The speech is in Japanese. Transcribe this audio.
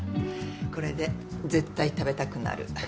これで絶対食べたくなる。